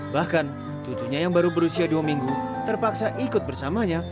bahkan cucunya yang baru berusia dua minggu terpaksa ikut bersamanya